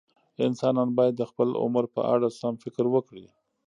انسانان باید د خپل عمر په اړه سم فکر وکړي.